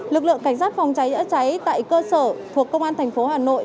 lực lượng cảnh sát phòng cháy chữa cháy tại cơ sở thuộc công an thành phố hà nội